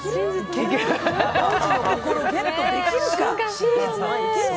王子の心、ゲットできるか？